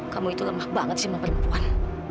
kamu itu lemah banget sama perempuan